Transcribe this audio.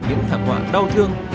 những thảm họa đau thương